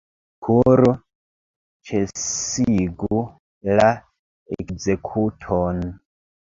Kuru, ĉesigu la ekzekuton!